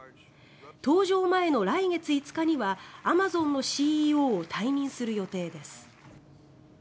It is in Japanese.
搭乗前の来月５日にはアマゾンのＣＥＯを退任する予定です。